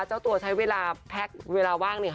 เจ้าตัวใช้เวลาแพ็กเวลาว่าง